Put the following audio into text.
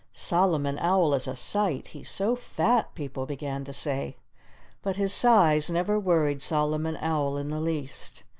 "Solomon Owl is a sight—he's so fat!" people began to say. But his size never worried Solomon Owl in the least.